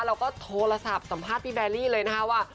เราก็โทรศัพท์สัมภาษณ์พี่แบรี่เลยนะคะว่า